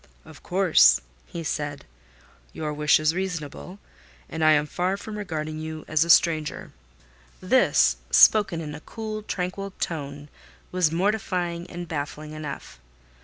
"Of course," he said. "Your wish is reasonable, and I am far from regarding you as a stranger." This, spoken in a cool, tranquil tone, was mortifying and baffling enough.